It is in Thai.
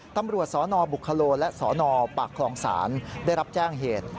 ตำรวจสนบุคโลและสนปากคลองศาลได้รับแจ้งเหตุ